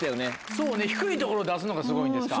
そうね低いところ出すのがすごいんですか